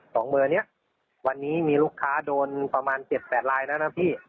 ของเบอร์เนี่ยวันนี้มีลูกค้าโดนประมาณ๗๘ไลน์แล้วนะพี่